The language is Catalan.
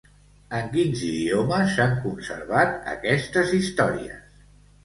En quins idiomes s'han conservat aquestes històries?